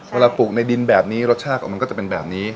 ปลูกในดินแบบนี้รสชาติของมันก็จะเป็นแบบนี้